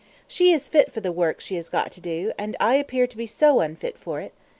She is fit for the work she has got to do, and I appear to be so unfit for it.